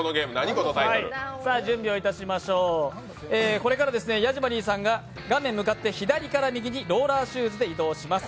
これからヤジマリーさんが画面向かって左から右にローラーシューズで移動します。